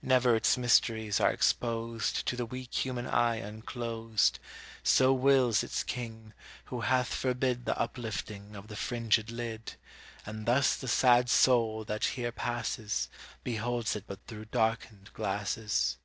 Never its mysteries are exposed To the weak human eye unclosed; So wills its King, who hath forbid The uplifting of the fringèd lid; And thus the sad Soul that here passes Beholds it but through darkened glasses.